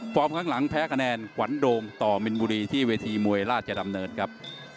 ข้างหลังแพ้คะแนนขวัญโดงต่อมินบุรีที่เวทีมวยราชดำเนินครับ